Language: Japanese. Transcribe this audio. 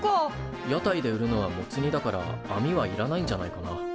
屋台で売るのはモツ煮だからあみはいらないんじゃないかな。